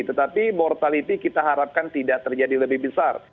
tetapi mortality kita harapkan tidak terjadi lebih besar